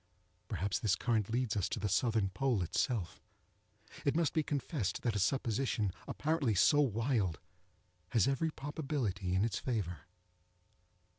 Perhaps this current leads us to the southern pole itself. It must be confessed that a supposition apparently so wild has every probability in its favor.